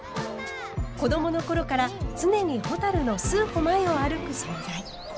子どもの頃から常にほたるの数歩前を歩く存在。